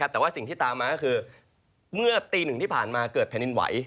แต่ว่าสิ่งที่ตามมาก็คือเมื่อตีหนึ่งที่ผ่านมาเกิดแผ่นดินไหว